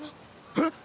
えっ！